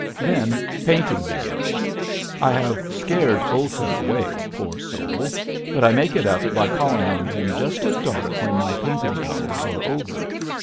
Then painting begins. I have scared Olson away poor soul but I make it up by calling on him just at dark when my painting hours are over.